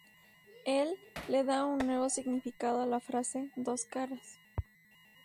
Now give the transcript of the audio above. Él le da un nuevo significado a la frase "dos caras".